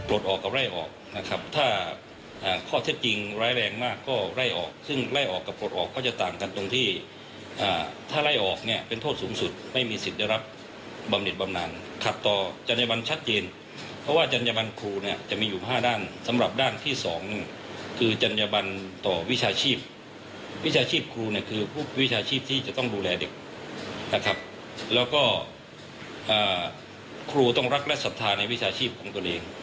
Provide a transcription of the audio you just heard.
และครูต้องรักและศัพท์ในวิชาชีพของตัวเอง